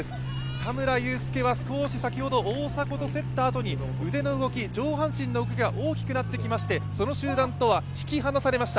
田村友佑は少し先ほど大迫と競ったあとに腕の動き、上半身の動きが大きくなってきましてその集団とは引き離されました。